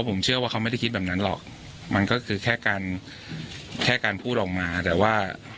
ผมเชื่อว่าเขาไม่ได้คิดแบบนั้นหรอกมันก็คือแค่การแค่การพูดออกมาแต่ว่า